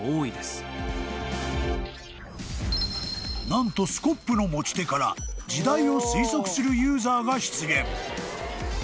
［何とスコップの持ち手から時代を推測するユーザーが出現］